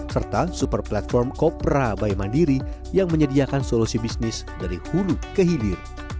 serta super platform kopra by mandiri yang menyediakan solusi bisnis dari hulu ke hilir